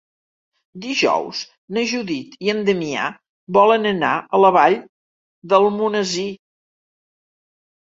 Dijous na Judit i en Damià volen anar a la Vall d'Almonesir.